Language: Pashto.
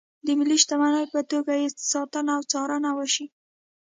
د ملي شتمنۍ په توګه یې ساتنه او څارنه وشي.